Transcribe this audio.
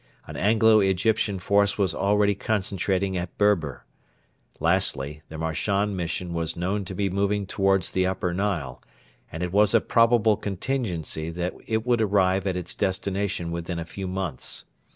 An Anglo Egyptian force was already concentrating at Berber. Lastly, the Marchand Mission was known to be moving towards the Upper Nile, and it was a probable contingency that it would arrive at its destination within a few months.